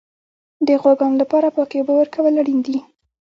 د غواګانو لپاره پاکې اوبه ورکول اړین دي.